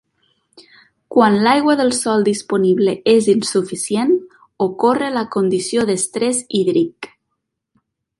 Quan l'aigua del sòl disponible és insuficient, ocorre la condició d'estrès hídric.